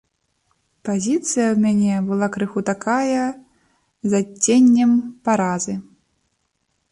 Пазіцыя ў мне была крыху такая, з адценнем паразы.